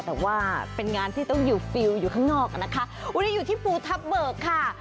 แต่ว่าเป็นงานที่ต้องอยู่ฟิลล์อยู่ข้างนอกนะคะ